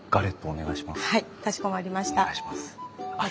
お願いします。